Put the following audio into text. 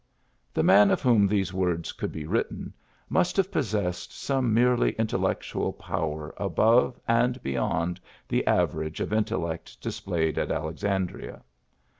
The man of whom these words could be written must have possessed some merely intellectual power above and beyond the average of intellect displayed at Alexandria.